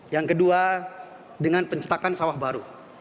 yang kedua dengan pencetakan sawah baru